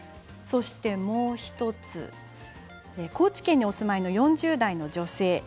そしてもう１つ、高知県にお住まいの４０代の女性。